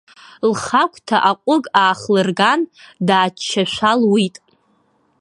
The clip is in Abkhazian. Лхагәҭа аҟыгә аахлырган, дааччашәа луит.